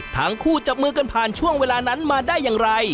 ทั้งคู่จับมือกันผ่านช่วงเวลานั้นมาได้อย่างไร